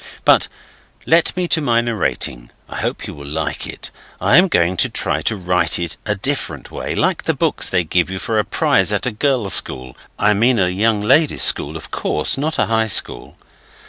But let me to my narrating. I hope you will like it. I am going to try to write it a different way, like the books they give you for a prize at a girls' school I mean a 'young ladies' school', of course not a high school.